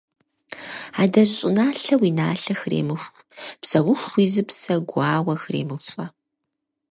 Адэжь щӀыналъэ, уи налъэ хремыху, Псэуху уи зыпсэ гуауэ хремыхуэ.